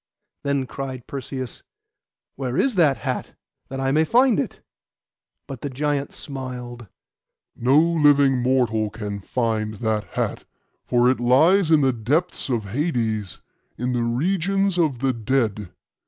Then cried Perseus, 'Where is that hat, that I may find it?' But the giant smiled. 'No living mortal can find that hat, for it lies in the depths of Hades, in the regions of the dead.